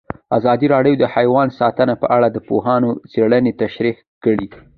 ازادي راډیو د حیوان ساتنه په اړه د پوهانو څېړنې تشریح کړې.